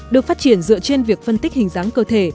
được phát triển dựa trên việc phân tích hình dáng cơ thể